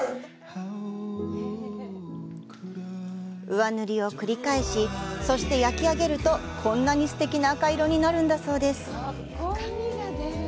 上塗りを繰り返し、そして、焼き上げるとこんなにすてきな赤色になるんだそうです。